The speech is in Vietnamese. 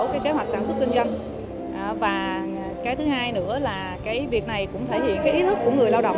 cái việc này cũng thể hiện cái ý thức của người lao động